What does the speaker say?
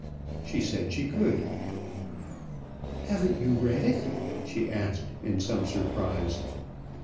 She said she could. "Haven't you read it?" she asked in some surprise.